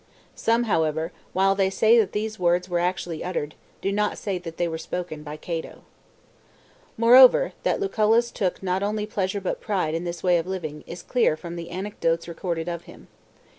Some; however, while they say that these words were actually uttered, do not say that they were spoken by Cato. Siac oL XLI. Moreover, that Lucullus took not only pleasure but pride in this way of living, is clear from the anecdotes recorded of him.